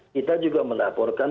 kita juga melaporkan